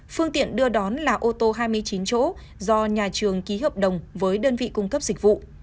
phương tiện đưa đón là ô tô hai mươi chín chỗ do nhà trường ký hợp đồng với đơn vị cung cấp dịch vụ